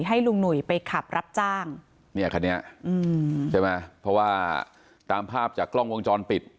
ให้ลุงหนุ่ยไปขับรับจ้างเนี่ยคันนี้ใช่ไหมเพราะว่าตามภาพจากกล้องวงจรปิด